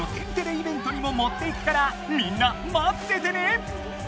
イベントにももっていくからみんなまっててね！